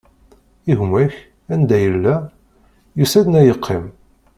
I gma-k, anda i yella? Yusa-d neɣ yeqqim?